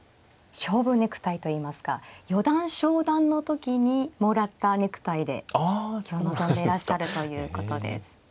勝負ネクタイといいますか四段昇段の時にもらったネクタイで今日臨んでいらっしゃるということです。